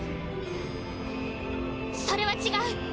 それは違う！